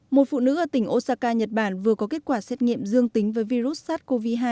một phụ nữ ở tỉnh osaka nhật bản vừa có kết quả xét nghiệm dương tính với virus sars cov hai